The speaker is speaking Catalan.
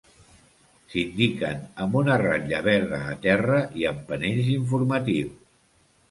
S'indiquen amb una ratlla verda a terra i amb panells informatius.